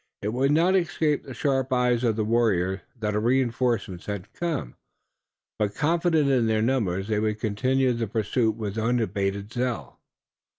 It would not escape the sharp eyes of the warriors that a reënforcement had come, but, confident in their numbers, they would continue the pursuit with unabated zeal.